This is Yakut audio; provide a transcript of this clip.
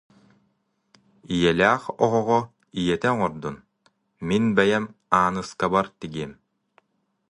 Ийэлээх оҕоҕо ийэтэ оҥордун, мин бэйэм Ааныскабар тигиэм